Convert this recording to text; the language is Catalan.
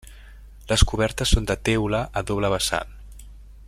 Les cobertes són de teula a doble vessant.